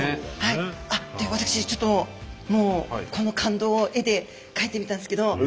私ちょっともうこの感動を絵で描いてみたんですけど。